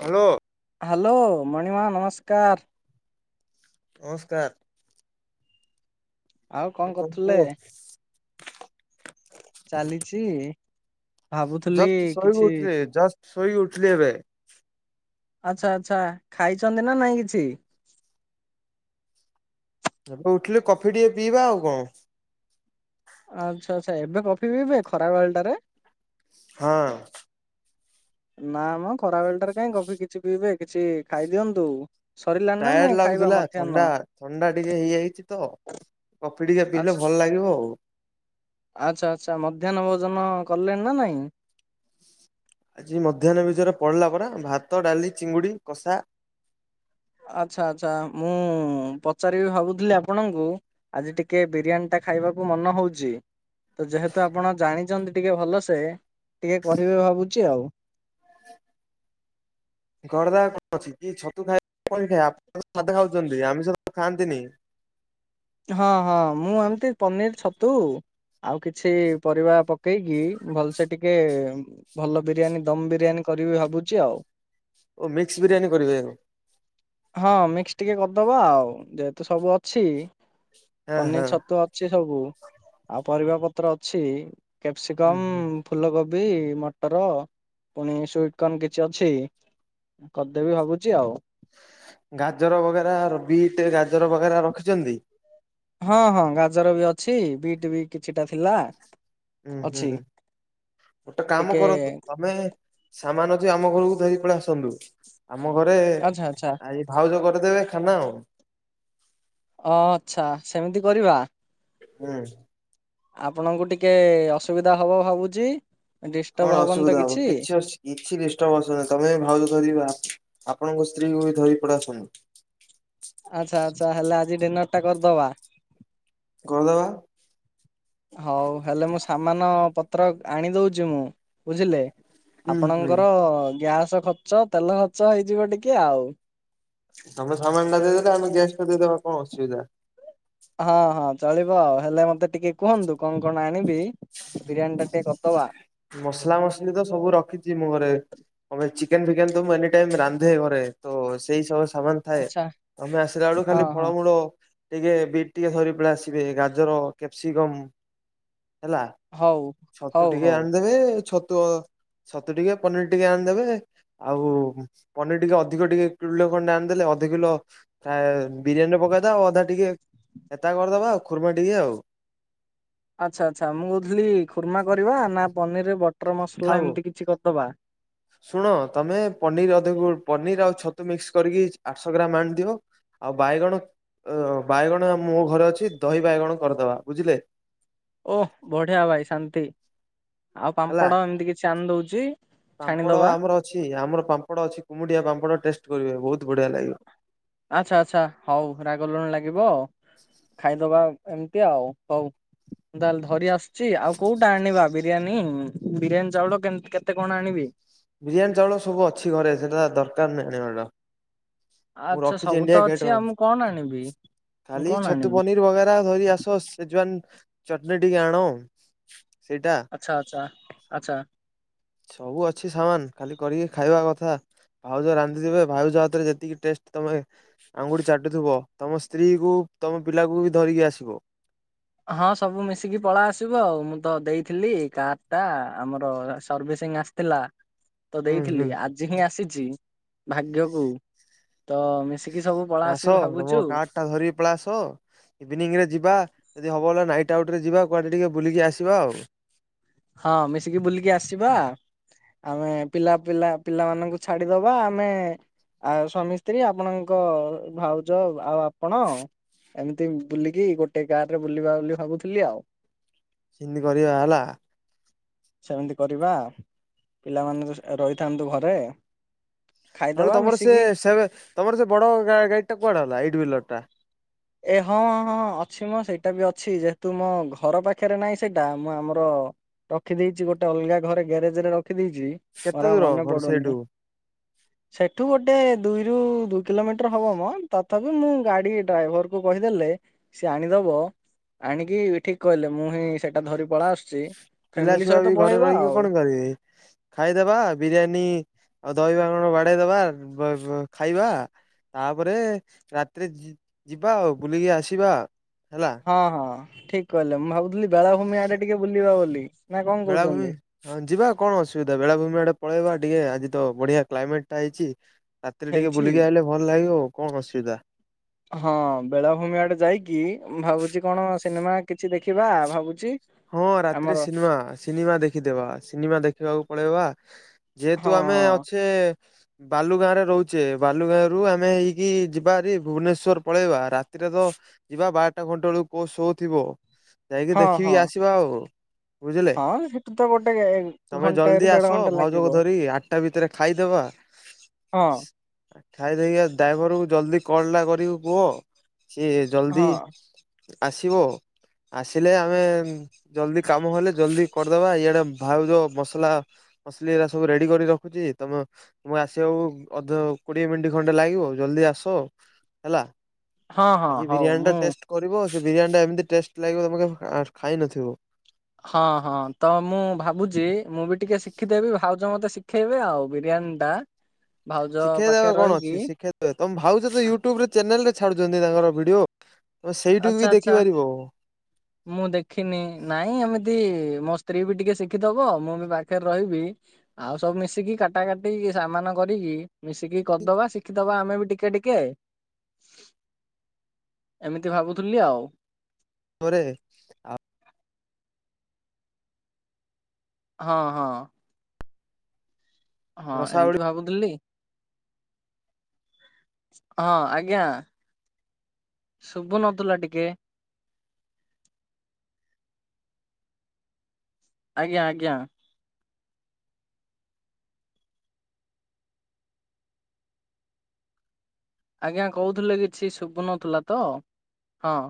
Hello. Hello ମଣିମା ନମସ୍କାର। ନମସ୍କାର। ଆଉ କଣ କରୁଥିଲେ? ଚାଲିଛି। ଭାବୁଥିଲି ଜଷ୍ଟ ଶୋଇକି କିଛି ଉଠିଲି ଜଷ୍ଟ ଶୋଇ ଉଠିଲି ଏବେ। ଆଚ୍ଛା ଆଚ୍ଛା ଖାଇଛନ୍ତି ନା ନାଇଁ କିଛି? ଏବେ ଉଠିଲେ କଫି ଟିକେ ପିଇବା ଆଉ କଣ। ଆଚ୍ଛା ଆଚ୍ଛା ଏବେ କଫି ପିଇବେ ଖରା ବେଳ ଟାରେ। ହଁ। ନା ମ ଖରା ବେଳ ଟାରେ କାଇ କଫି କିଛି ପିଇବେ କିଛି ଖାଇଦିଅନ୍ତୁ। ସରିଲାଣି ନା ଟାୟାଡ୍ ନାଇଁ ଖାଇବା ଲାଗୁଥିଲା। ମଧ୍ୟାହ୍ନ? ଥଣ୍ଡା ଥଣ୍ଡା ଟିକେ ହେଇଛି ତ କଫି ଟିକେ ପିଇଲେ ଆଚ୍ଛା ଭଲ ଲାଗିବ ଆଉ। ଆଚ୍ଛା ଆଚ୍ଛା [unintelligible] କଲେଣି ନା ନାଇଁ। ଆଜି ମଧ୍ୟାହ୍ନ [unintelligible] ପଡିଲା ପରା ଭାତ ଡାଲି ଚିଙ୍ଗୁଡି କଷା। ଆଚ୍ଛା ଆଚ୍ଛା ମୁଁ ପଚାରିବି ଭାବୁଥିଲି ଆପଣଙ୍କୁ ଆଜି ଟିକେ ବିରିୟାନୀ ଟା ଖାଇବାକୁ ମନ ହଉଚି। ତ ଯେହେତୁ ଆପଣ ଜାଣିଛନ୍ତି ଟିକେ ଭଲସେ ଟିକେ କରିବେ ଭାବୁଛି ଆଉ। [inaudible] କରି ଦବା କଣ ଅଛି। କି ଛତୁ ଖାଇବେ ଆପଣ ଖାଉଛନ୍ତି ଆମିଷ ଖାଆନ୍ତିନି। ହଁ ହଁ ମୁଁ ଏମିତି ପନିର ଛତୁ ଆଉ କିଛି ପରିବା ପକେଇକି ଭଲସେ ଟିକେ ଭଲ ବିରିୟାନୀ ଦମ ବିରିୟାନୀ କରିବି ଭାବୁଛି ଆଉ। ଓ ମିକ୍ସ ବିରିୟାନୀ କରିବେ। ହଁ ମିକ୍ସ ଟିକେ କରିଦବା ଆଉ। ଯେହେତୁ ସବୁ ଅଛି। ପନିର ହଁ ଛତୁ ଅଛି ସବୁ। ଆଉ ପରିବା ପତ୍ର ଅଛି। ହୁଁ କ୍ୟାପ୍ସିକମ୍ ହୁଁ ଫୁଲକୋ ବି ମଟର ପୁଣି ସ୍ଵିଇଟକର୍ନ କିଛି ଅଛି। କରିଦେବି ଭାବୁଛି ଆଉ। ଗାଜର ବଗେରା ବିଟ୍ ଗାଜର ବଗେରା ରଖିଛନ୍ତି? ହଁ ହଁ ଗାଜର ବି ଅଛି ବିଟ୍ ବି କିଛିଟା ଥିଲା। ହୁଁ ହୁଁ ଅଛି। ହୁଁ ଗୋଟେ କାମ ଟିକେ କରନ୍ତୁ ତମେ ସାମାନ ଯ ଆମ ଘରକୁ ଧରିକି ପଳେଇ ଆସନ୍ତୁ। ଆମ ଘରେ ଆଚ୍ଛା ଆଚ୍ଛା ଭାଉଜ କରିଦେବେ ଖାନା ଆଉ। ଓ ଆଚ୍ଛା ସେମିତି କରିବା। ହୁଁ। ଆପଣଙ୍କୁ ଟିକେ ଅସୁବିଧା ହବ ଭାବୁଚି। କଣ ଅସୁବିଧା ହବ କିଛି ଅ କିଛି ଡିଷ୍ଟର୍ବ [unintelligible] ତମେ ଯାଇକି ଭାଉଜ ଧରିକି ବା ଆପଣଙ୍କ ସ୍ତ୍ରୀକୁ ବି ଧରି ପଡାସନୁ। ଆଚ୍ଛା ଆଚ୍ଛା ହେଲେ ଆଜି ଡିନର ଟା କରିଦବା। କରଦବା। ହଉ ହେଲେ ମୁଁ ସାମାନ ପତ୍ର ଆଣି ଦଉଚି ମୁଁ ବୁଝିଲୁ। ହୁଁ ହୁଁ ଆପଣଙ୍କର ଗ୍ୟାସ ଖର୍ଚ୍ଚ ତେଲ ଖର୍ଚ୍ଚ ହେଇଯିବ ଟିକେ ଆଉ। ତମେ ସମାନ ଟା ଦେଇଦେଲେ ଆମେ ଗ୍ୟାସ ଟା ଦେଇଦବା କଣ ଅସୁବିଧା। ହଁ ହଁ ଚଳିବ ଆଉ ହେଲେ ମତେ ଟିକେ କୁହନ୍ତୁ କଣ କଣ ଆଣିବି? ବିରିୟାନୀ ଟା ଟିକେ କରିଦବା। ମସଲା ମସଲି ତ ସବୁ ରଖିଛି ମୁ ଘରେ [unintelligible] ଚିକେନ ଫିକେନ ସବୁ ମୁଁ ଏନି ଟାଇମ ରାନ୍ଧେ ଘରେ ତ ସେଇ ସକାଶେ ସାମାନ ଥାଏ ଆଚ୍ଛା ତମେ ଆସିଲା ବେଳୁ ହଁ ଖାଲି ହଁ ଫଳମୂଳ ଟିକେ ବିଟ୍ ଟିକେ ଧରି ପଳେ ଆସିବେ ଗାଜର କ୍ୟାପ୍ସିକମ୍ ହେଲା। ହଉ ଛତୁ ହଉ ଟିକେ ହଉ। ଆଣିଦେବେ ଛତୁ ସତେ ଟିକେ ପନିର ଟିକେ ଆଣିଦେବେ ଆଉ ପନିର ଟିକେ ଅଧିକ ଟିକେ କିଲେ ଖଣ୍ଡେ ଆଣିଦେଲେ ଅଧ କିଲୋ ପ୍ରାୟ ବିରିୟାନୀରେ ପକେଇଦବା ଆଉ ଅଧା ଟିକେ ଏତା କରିଦବା ଆଉ ଖୁର୍ମା ଟିକେ ଆଉ। ଆଚ୍ଛା ଆଚ୍ଛା ମୁଁ କହୁଥିଲି ଖୁର୍ମା କରିବା ନା ପନିର ବଟର ମସଲା ଥାଉ। ଏମିତି କିଛି କରିଦବା। ଶୁଣ ତମେ ପନିର ଅଧିକ ପନିର ଆଉ ଛତୁ ମିକ୍ସ କରିକି ଆଠଶହ ଗ୍ରାମ ଆଣିଦିଅ। ଆଉ ବାଇଗଣ ବାଇଗଣ ମୋ ଘରେ ଅଛି ଦହି ବାଇଗଣ କରିଦବା ବୁଝିଲେ। ଓହ ବଢିଆ ଭାଇ ଶାନ୍ତି। ଆଉ ପାମ୍ପଡ଼ ଏମିତି କିଛି ଆଣି ଦଉଚି। ପାମ୍ପଡ ଆମର ଅଛି ଆମର ପାମ୍ପଡ ଅଛି କୁମୁଟିଆ ପାମ୍ପଡ ଟେଷ୍ଟ କରିବେ। ବଢିଆ ଲାଗିବ। ଆଛା ଆଛା ହଉ ରାଗ ଲୁଣ ଲାଗିବ ଖାଇଦବା। ଏମିତି ଆଉ ହଉ ମୁ ତାହେଲେ ଧରି ଆସୁଛି ଆଉ କୋଉଟା ଆଣିବା ବି ବିରିୟାନୀ ବିରିୟାନୀ ଚାଉଳ କେମ କେତେ କଣ ଆଣିବି? ବିରିୟାନୀ ଚାଉଳ ସବୁ ଅଛି ଘରେ ସେଟା ଦରକାର ନାହିଁ ଆଣିବାଟା। ଆଛା ସବୁ ତ ଅଛି ଆଉ ମୁଁ କଣ ଆଣିବି? ମୁଁ ଖାଲି କଣ ଛତୁ ଆଣିବି ପନିର ବଗେରା ଧରି ଆସ ସିଯୁଆନ ଚଟନୀ ଟିକେ ଆଣ ଆଉ। ଆଛା ଆଛା ଆଛା। ସବୁ ଅଛି ସାମାନ ଖାଲି କରିକି ଖାଇବା କଥା। ଭାଉଜ ରାନ୍ଧିଥିବେ ଭାଉଜ ହାତରେ ଯେତିକି ଟେଷ୍ଟ ତମେ ଆଙ୍ଗୁଠି ଚାଟୁଥିବ ତମ ସ୍ତ୍ରୀ କୁ ତମ ପିଲାକୁ ବି ଧରିକି ଆସିବ। ହଁ ସବୁ ମିଶିକି ପଳା ଆସିବ ଆଉ। ମୁଁ ତ ଦେଇଥିଲି କାର ଟା ଆମର ସର୍ଭିସ ଦିନେ ଆସିଥିଲ। ତ ହୁଁ ହୁଁ ଦେଇଥିଲି ଆଜି ହିଁ ଆସିଛି। ଭାଗ୍ୟକୁ ତ ସବୁ ପଳା ଆସ ଆସିବୁ ତମ ଭାବୁଛୁ। କାରଟା ଧରିକି ପଳେଇ ଆସ। ଇଭିନିଂ ରେ ଯିବା। ଯଦି ହବ ହେଲା ନାଇଟ୍ ଆଉଟରେ ଯିବା। କୁଆଡ଼େ ଟିକେ ବୁଲିକି ଆସିବା ଆଉ। ହଁ, ମିଶିକି ବୁଲିକି ଆସିବା। ଆମେ ପିଲା ପିଲା ପିଲାମାନଙ୍କୁ ଛାଡିଦବା। ଆମେ ଆଉ ସ୍ୱାମୀ ସ୍ତ୍ରୀ ଆପଣଙ୍କ ଭାଉଜ ଆଉ ଆପଣ ଏମିତି ବୁଲିକି ଗୋଟେ ଗାଁ ରେ ବୁଲିବା ବୋଲି ଭାବୁଥିଲି ଆଉ। ସେନ୍ତି କରିବା ହେଲା। ସେମିତି କରିବା। ପିଲାମାନେ ରହିଥାନ୍ତୁ ଘରେ ନହେଲେ ଖାଇଦବା ତମର ସେ ମିଶିକି ସେ ତମର ସେ ବଡ ଗାଡି ଟା କୁଆଡେ ହେଲା। ଏଇଟବିଲର ଟା। ଏ ହଁ ହଁ ଅଛି ମଁ ସେଇଟା ବି ଅଛି। ଯେହେତୁ ମୋ ଘର ପାଖରେ ନାହିଁ। ସେଇଟା ମୁଁ ଆମର ରଖିଦେଇଚି ଗୋଟେ ଅଲଗା ଘରେ। ଗ୍ୟାରେଜ ରେ ରଖିଦେଇଚି। ଚି କେତେ ମରା ଦୂର ମନେ ଘର ସେଇଠୁ ପଡୁନି। ସେଠୁ ଗୋଟେ ଦୁଇରୁ ଦୁଇ କିଲୋମିଟର ହବ ମ ତଥାପି ମୁଁ ଗାଡି ଡ୍ରାଇ କହିଦେଲେ ସେ ଆଣିଦବ। ଆଣିକି ଠିକ କହିଲେ। ମୁଁ ହିଁ, ସେଟା ଧରି ପଳା ଆସୁଛି। ପିଲା ଫ୍ୟାମିଲି ଛୁଆ ସହିତ ବି ଘରେ ପଳେଇବା ରହିକି ଆଉ କଣ କରିବେ। ଖାଇଦବା ବିରିୟାନୀ ଆଉ ଦହିବା ବାଡେଇ ଦବା। ଖାଇବା। ତାପରେ ରାତିରେ ଯିବା ଆଉ, ବୁଲିକି ଆସିବା। ହେଲା। ହଁ, ହଁ। ଠିକ କହିଲେ। ମୁଁ ଭାବୁଥିଲି ବେଳାଭୂମି ଆଡେ ଟିକେ ବୁଲିବା ବୋଲି। ନା କଣ ବେଳାଭୂମି କହୁଛନ୍ତି। ହଁ ଯିବା କଣ ଅସୁବିଧା ବେଳାଭୂମି ଆଡେ ପଳେଇବା ଟିକେ, ଆଜି ତ ବଢିଆ କ୍ଲାଇମେଟ୍ଟା ହେଇଛି ରାତିରେ ଟିକେ ହେଇଛି ବୁଲିକି ଆସିଲେ ଭଲ ଲାଗିବ ଆଉ। କଣ ଅସୁବିଧା। ହଁ ବେଳାଭୂମି ଆଡେ ଯାଇକି, ଭାବୁଛି କଣ ସିନେମା କିଛି ଦେଖିବା। ଭାବୁଛି ହଁ, ରାତିରେ ଆମର ସିନେମା, ସିନେମା ଦେଖିଦବା। ସିନେମା ଦେଖିବାକୁ ପଳେଇବା। ହଁ ଯେହେତୁ ଆ ତମେ ଅଛେ ବାଲୁ ଗାଁ ରେ ରହୁଛେ। ବାଲୁଗାଁ ରୁ ଆମେ ହେଇକି ଯିବାର ଭୁବନେଶ୍ଵର ପଳେଇବା ରାତିରେ ତ ଯିବା ବାରଟା ଘଣ୍ଟା ବେଳକୁ କୋ ଶୋ ଥିବ। ଯାଇକି ହଁ ହଁ ଦେଖିକି ହଁ ଆସିବା ଆଉ। ବୁଝିଲେ। ହଁ ସେଠୁ ତ ଗୋଟେ ତମେ ଘଣ୍ଟାଏ ରୁ ଜଲଦି ଦେଢ ଆସ। ଘଣ୍ଟା ଭାଉଜକ ଲାଗିବ ଧରି ଆଠଟା ଭିତରେ ଖାଇଦବା ବା। ହଁ। ଖାଇଦେଇକି ଡ୍ରାଇଭରକୁ ଜଲ୍ଦି କଲ୍ ଟା କରିକି କୁହ। ସିଏ ଜଲ୍ଦି ହଁ ଆସିବ। ଆସିଲେ ଆମେ, ଜଲଦି କାମ ହେଲେ ଜଲଦି କରିଦବା। ଇଆଡେ ଭାଉଯ ଯୋଉ ମସଲା ମସଲି ସବୁ ରେଡି କରି ରଖୁଛି ତମେ, ଆସିବାକୁ ଅଧ କୋଡିଏ ମିନିଟ ଖଣ୍ଡେ ଲାଗିବ। ଜଲଦି ଆସ। ହେଲା। ହଁ ହଁ ଆଜି ହଉ ବିରିୟାନୀ ଟା ମୁଁ ଟେଷ୍ଟ କରିବ। ବିରିୟାନୀ ଟା ଏମିତି ଟେଷ୍ଟ ଲାଗିବ। ତମେ ଖାଇ ନଥିବ। ହଁ, ହଁ। ତ ମୁଁ ଭାବୁଛି। ମୁଁ ବି ଟିକେ ଶିଖିଦେବି। ଭାଉଜ ମତେ ଶ ଖାଇବେ ଆଉ। ବିରିୟାନୀ ଟା ଭାଉଜ ଶିଖେଇ ଦେବେ। ପାଖରେ କଣ ରହିକି ଅଛି ଶିଖେଇ ଦେବେ। ତମେ ଭାବଛ ତ ୟୁଟ୍ୟୁବ ରେ ଚ୍ୟାନେଲରେ ଛାଡୁଛନ୍ତି ତାଙ୍କର ଭିଡିଓ। ତମେ ସେଇଠୁ ବି ଆଚ୍ଛା ଆଛା। ଦେଖିପାରିବ ମୁଁ ଦେଖିନି ନାଇଁ ଏମିତି ମୋ ସ୍ତ୍ରୀ ବି ଟିକେ ଶିଖିଦବ। ମୁଁ ବି ପାଖରେ ରହିବି। ଆଉ ସବୁ ମିଶିକି କାଟା କାଟି ସାମାନ କରିକି ମିଶିକି କରିଦବା। ଶିଖିଦବା ଆମେ ବି ଟିକେ ଟିକେ। ଏମ ଏ ଭାବୁଥିଲି ଆଉ। ଘରେ ହଁ ହଁ। ହଁ ରସାବଳି ଏମିତି ଭାବୁଥିଲି ହଁ ଆଜ୍ଞା ଶୁଭୁ ନଥିଲା ଟିକେ। ଆଜ୍ଞା ଆଜ୍ଞା। ଆଜ୍ଞା କହୁଥିଲେ କିଛି ଶୁଭୁନଥିଲା ତ ହଁ।